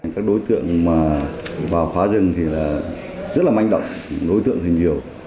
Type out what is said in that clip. các đối tượng vào khóa rừng thì rất là manh động đối tượng hình nhiều